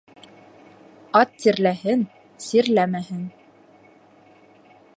Ат тирләһен, сирләмәһен.